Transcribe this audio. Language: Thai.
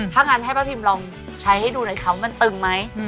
ถ้างั้นให้ป้าพิมลองใช้ให้ดูหน่อยครับมันตึงไหม